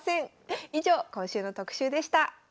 以上今週の特集でした。